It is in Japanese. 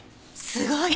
すごい！